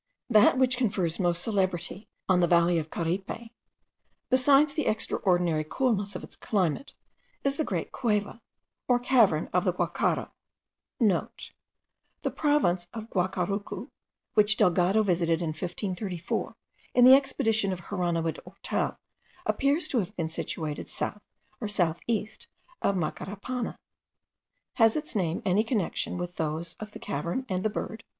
That which confers most celebrity on the valley of Caripe, besides the extraordinary coolness of its climate, is the great Cueva, or Cavern of the Guacharo.* (* The province of Guacharucu, which Delgado visited in 1534, in the expedition of Hieronimo de Ortal, appears to have been situated south or south east of Macarapana. Has its name any connexion with those of the cavern and the bird?